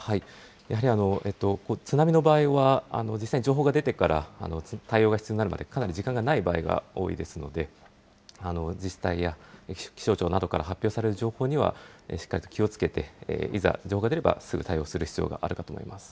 やはり津波の場合は実際に情報が出てから対応が必要になるまで、かなり時間がない場合が多いですので、自治体や気象庁などから発表される情報にはしっかりと気をつけて、いざ、情報が出ればすぐ対応する必要があるかと思います。